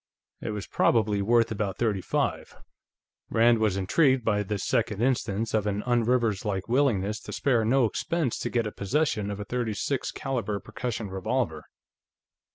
It was probably worth about thirty five. Rand was intrigued by this second instance of an un Rivers like willingness to spare no expense to get possession of a .36 caliber percussion revolver.